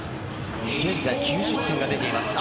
現在９０点が出ています。